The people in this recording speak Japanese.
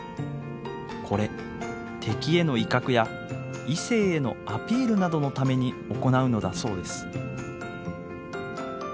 これ敵への威嚇や異性へのアピールなどのために行うのだそうです。